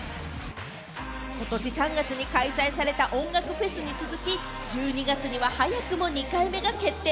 ことし３月に開催された音楽フェスに続き、１２月には早くも２回目が決定！